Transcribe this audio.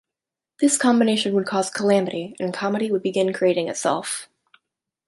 This combination would cause calamity and comedy would begin creating itself.